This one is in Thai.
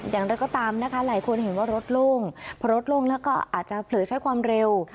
อย่างไรก็ตามนะคะหลายคนเห็นว่ารถโล่งเพราะรถโล่งแล้วก็อาจจะเผลอใช้ความเร็ว